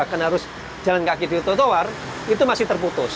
terus jalan kaki di trotoar itu masih terputus